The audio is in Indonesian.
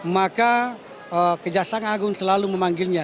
maka kejaksaan agung selalu memanggilnya